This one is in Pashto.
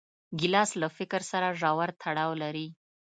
ګیلاس له فکر سره ژور تړاو لري.